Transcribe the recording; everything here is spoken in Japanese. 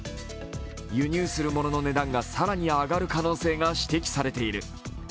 輸入する物の値段が更に上がる可能性が指摘されている。